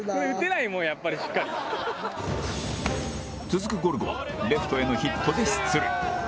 続くゴルゴはレフトへのヒットで出塁